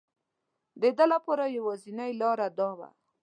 ده لپاره یوازینی لاره دا وه.